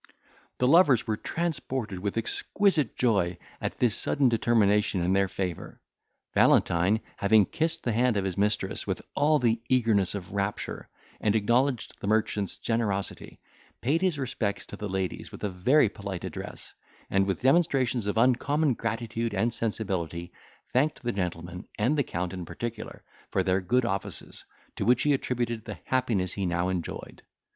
The lovers were transported with exquisite joy at this sudden determination in their favour. Valentine, having kissed the hand of his mistress with all the eagerness of rapture, and acknowledged the merchant's generosity, paid his respects to the ladies with a very polite address, and with demonstrations of uncommon gratitude and sensibility, thanked the gentlemen, and the Count in particular, for their good offices, to which he attributed the happiness he now enjoyed.